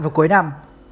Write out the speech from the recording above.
vào cuối năm